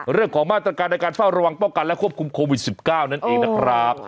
เรื่องของมาตรการในการเฝ้าระวังป้องกันและควบคุมโควิด๑๙นั่นเองนะครับ